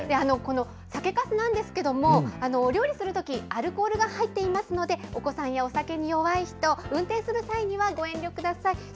この酒かすなんですけども、お料理するとき、アルコールが入っていますので、お子さんやお酒に弱い人、運転する際にはご遠慮ください。